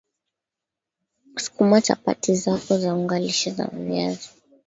sukuma chapati zako za unga lishe wa viazi